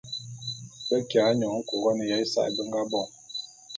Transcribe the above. Be kiya nyône Couronne ya ésae be nga bo.